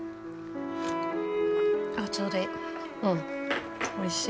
ちょうどいい。